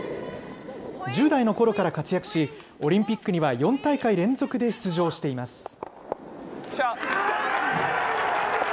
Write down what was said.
１０代のころから活躍し、オリンピックには４大会連続で出場しています。